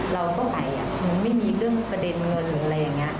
เราก็ไปมันไม่มีเรื่องประเด็นเงินหรืออะไรอย่างนี้